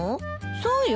そうよ。